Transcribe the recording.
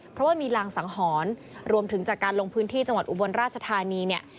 เพราะว่ามีรางสังหรณ์รวมถึงจากการลงพื้นที่จังหวัดอุบลราชธานีเนี่ย